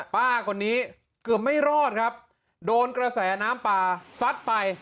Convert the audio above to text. ป้าคนนี้เกือบไม่รอดครับโดนกระแสน้ำป่าซัดไป